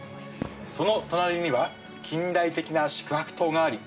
その隣には、近代的な宿泊棟があり、